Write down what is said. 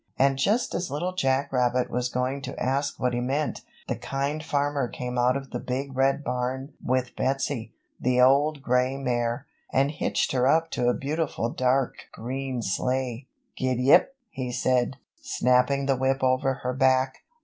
And just as Little Jack Rabbit was going to ask what he meant, the Kind Farmer came out of the Big Red Barn with Betsy, the Old Gray Mare, and hitched her up to a beautiful dark green sleigh. "Git ap!" he said, snapping the whip over her back.